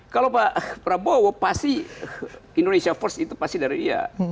kalau pak prabowo pasti indonesia first itu pasti dari iya